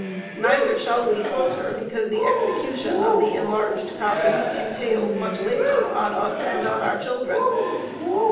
Neither shall we falter because the execution of the enlarged copy entails much labor on us and on our children.